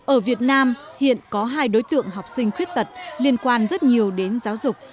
ở việt nam hiện có hai đối tượng học sinh khuyết tật liên quan rất nhiều đến giáo dục